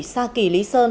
sa kỳ lý sơn